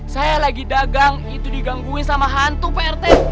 saya lagi dagang itu digangguin sama hantu pak rt